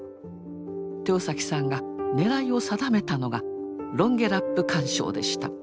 豊さんが狙いを定めたのがロンゲラップ環礁でした。